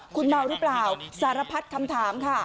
คุณเมาหรือเปล่าสารพัดคำถามค่ะ